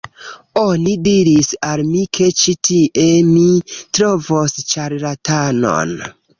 Oni diris al mi ke ĉi tie mi trovos ĉarlatanon